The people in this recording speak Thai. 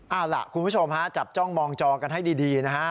เอาล่ะคุณผู้ชมฮะจับจ้องมองจอกันให้ดีนะฮะ